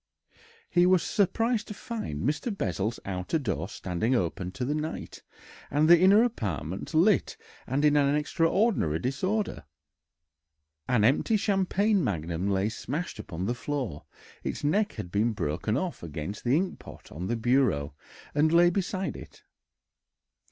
He was surprised to find Mr. Bessel's outer door standing open to the night, and the inner apartments lit and in an extraordinary disorder. An empty champagne magnum lay smashed upon the floor; its neck had been broken off against the inkpot on the bureau and lay beside it.